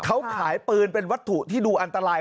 เขาขายปืนเป็นวัตถุที่ดูอันตราย